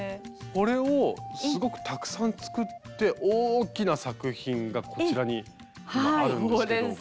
これをすごくたくさん作って大きな作品がこちらに今あるんですけども。